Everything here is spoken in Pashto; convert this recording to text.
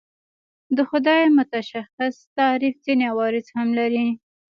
د خدای متشخص تعریف ځینې عوارض هم لري.